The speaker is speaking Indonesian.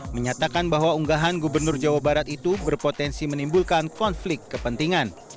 menyatakan bahwa unggahan gubernur jawa barat itu berpotensi menimbulkan konflik kepentingan